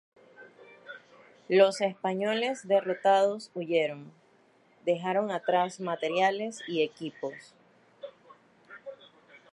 Los españoles derrotados huyeron, dejando atrás materiales y equipos.